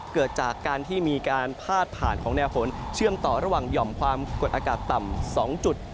เกิดจากการที่มีการพาดผ่านของแนวฝนเชื่อมต่อระหว่างหย่อมความกดอากาศต่ำ๒จุด